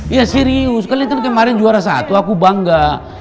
iya serius kalian kan kemarin juara satu aku bangga